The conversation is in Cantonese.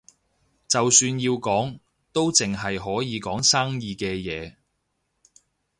就算要講，都淨係可以講生意嘅嘢